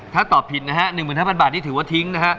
ถ้าตอบผิดนะฮะ๑๕๐๐บาทนี่ถือว่าทิ้งนะฮะ